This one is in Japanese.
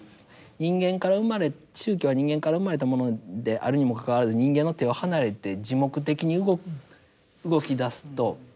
人間から生まれ宗教は人間から生まれたものであるにもかかわらず人間の手を離れて自目的に動きだすともうコントロール不能といいますか。